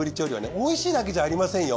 おいしいだけじゃありませんよ。